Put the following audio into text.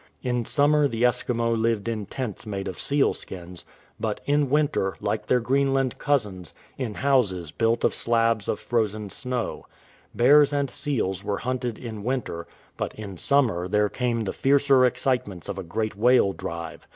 In summer the Eskimo lived in tents made of sealskins ; but in winter, like their Greenland cousins, in houses built of slabs of 191 "LAST HOUSE IN THE WORLD" frozen snow. Bears and seals were hunted in winter, but in summer there came the fiercer excitements of a great whale drive.